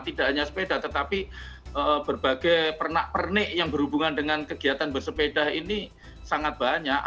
tidak hanya sepeda tetapi berbagai pernak pernik yang berhubungan dengan kegiatan bersepeda ini sangat banyak